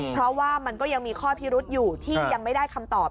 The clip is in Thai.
เพราะว่ามันก็ยังมีข้อพิรุษอยู่ที่ยังไม่ได้คำตอบ